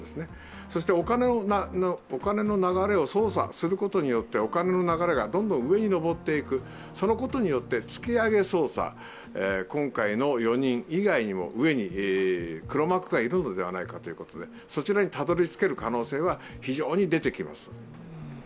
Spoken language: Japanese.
そして、お金の流れを捜査することによって、お金の流れがどんどん上に上っていく、そのことによって、突き上げ捜査今回の４人以外にも上に黒幕がいるのではないかということで、そちらにたどり着ける可能性は非常に出てきます。